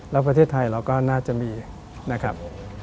แล้วประเทศไทยเราก็น่าจะมีนะครับ